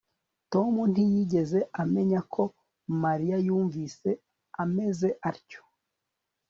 Tom ntiyigeze amenya ko Mariya yumvise ameze atyo